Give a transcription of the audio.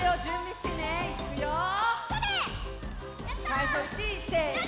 さいしょ１！せの！